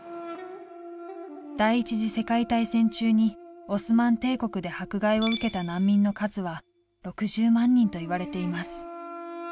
第一次世界大戦中にオスマン帝国で迫害を受けた難民の数は６０万人といわれています。